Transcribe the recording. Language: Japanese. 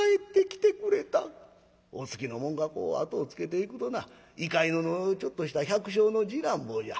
お付きの者がこう後をつけていくとな猪飼野のちょっとした百姓の次男坊じゃ。